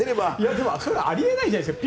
でもあり得ないじゃないですか。